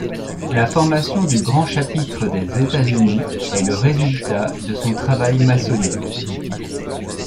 La formation du grand chapitre des États-Unis est le résultat de son travail maçonnique.